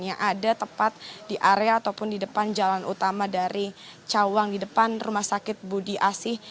yang ada tepat di area ataupun di depan jalan utama dari cawang di depan rumah sakit budi asih